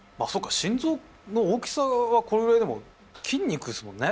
心臓の大きさはこれぐらいでも筋肉ですもんね。